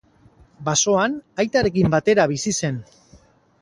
Basoan aitarekin batera bizi zen.